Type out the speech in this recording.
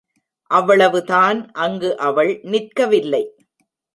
அவ்வளவுதான் அங்கு அவள் நிற்கவில்லை.